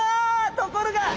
ところが！